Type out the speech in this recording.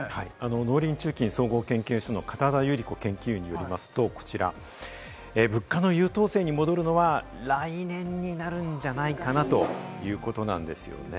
農林中金総合研究所の片田百合子研究員によりますと、物価の優等生に戻るのは来年になるんじゃないかなということなんですよね。